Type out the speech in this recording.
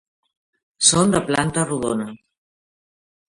Són de planta rodona.